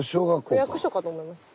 区役所かと思いました。